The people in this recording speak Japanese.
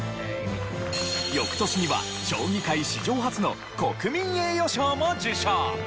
翌年には将棋界史上初の国民栄誉賞も受賞。